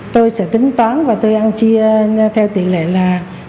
tôi sẽ tính toán và tôi ăn chia theo tỷ lệ là ba mươi